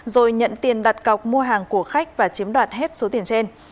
rồi nhận tiền đặt cọc mua hàng của khách và chiếm đoạt hết số tiền trên